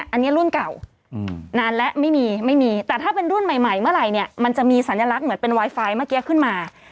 อันนี้รุ่นเก่านานแล้วไม่มีไม่มีแต่ถ้าเป็นรุ่นใหม่เมื่อไหร่เนี่ยมันจะมีสัญลักษณ์เหมือนเป็นไวไฟเมื่อกี้ขึ้นมา